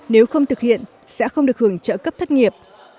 nếu không thực hiện sẽ không được hưởng trợ cấp thất nghiệp